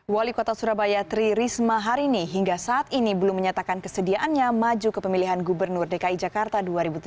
wali kota surabaya tri risma hari ini hingga saat ini belum menyatakan kesediaannya maju ke pemilihan gubernur dki jakarta dua ribu tujuh belas